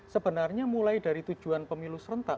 sebenarnya mulai dari tujuan pemilu serentak